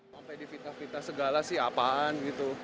sampai di fitnah fitnah segala sih apaan gitu